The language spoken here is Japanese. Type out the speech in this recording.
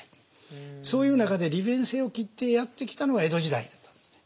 そういう中で利便性を切ってやってきたのが江戸時代だったんですね。